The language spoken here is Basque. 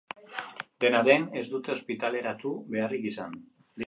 Dena den, ez dute ospitaleratu beharrik izan.